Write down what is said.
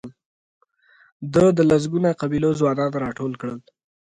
ده د لسګونو قبیلو ځوانان راټول کړل.